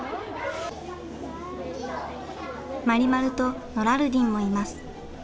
マリマルとノラルディンもいます。